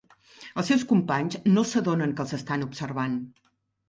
Els seus companys no s'adonen que els estan observant.